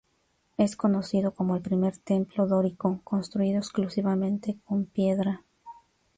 Es conocido como el primer templo dórico construido exclusivamente con piedra.